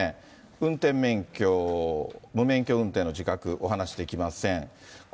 運転免許、無免許運転の自覚、お話できません。